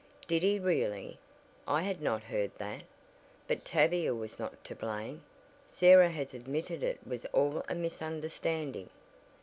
"Did he really? I had not heard that. But Tavia was not to blame. Sarah has admitted it was all a misunderstanding."